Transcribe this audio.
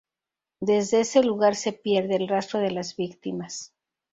Desde ese lugar se pierde el rastro a las víctimas.